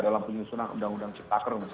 dalam penyusunan undang undang cipta kerumus